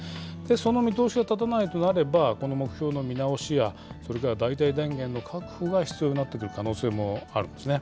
その見通しが立たないとなれば、この目標の見直しや、それから代替電源の確保が必要になってくる可能性もあるんですね。